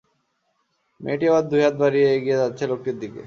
মেয়েটি এবার দুইহাত বাড়িয়ে এগিয়ে যাচ্ছে লোকটির দিকে।